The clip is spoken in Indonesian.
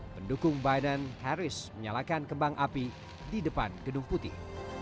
pendukung biden harris menyalakan kembang api di depan gedung putih